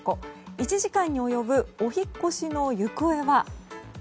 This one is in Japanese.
１時間に及ぶお引っ越しの行方は。